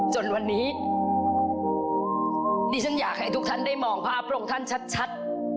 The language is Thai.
ของท่านได้เสด็จเข้ามาอยู่ในความทรงจำของคน๖๗๐ล้านคนค่ะทุกท่าน